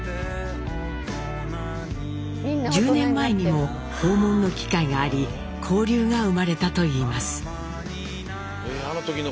１０年前にも訪問の機会があり交流が生まれたといいます。